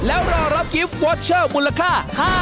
แล้วเรารับกิ๊บกวอร์เชอร์มูลค่า